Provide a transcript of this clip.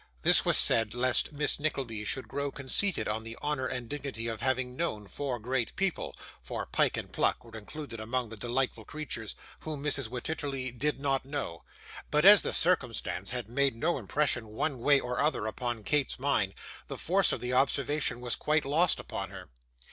This was said lest Miss Nickleby should grow conceited on the honour and dignity of having known four great people (for Pyke and Pluck were included among the delightful creatures), whom Mrs. Wititterly did not know. But as the circumstance had made no impression one way or other upon Kate's mind, the force of the observation was quite lost upon her.